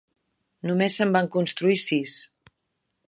Només se'n van construir sis.